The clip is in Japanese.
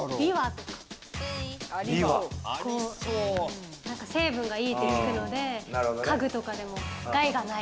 ビワ、成分がいいって聞くので、家具とかでも、害がない。